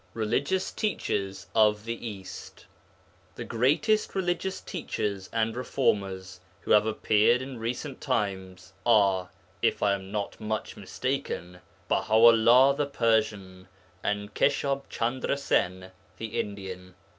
RELIGIOUS TEACHERS OF THE EAST The greatest religious teachers and reformers who have appeared in recent times are (if I am not much mistaken) Baha 'ullah the Persian and Keshab Chandra Sen the Indian.